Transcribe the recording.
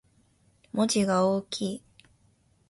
文字が大きい